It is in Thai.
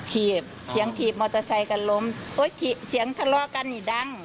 ถีบเสียงถีบมอเตอร์ไซค์กันล้มโอ้ยเสียงทะเลาะกันนี่ดัง